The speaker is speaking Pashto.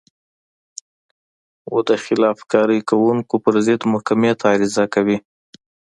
و د خلاف کارۍ کوونکو پر ضد محکمې ته عریضه کوي.